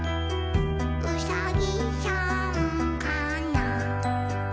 「うさぎさんかな？」